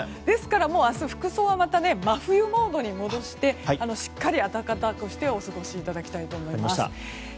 ですから明日、服装はまた真冬モードに戻してしっかり暖かくしてお過ごしいただきたいと思います。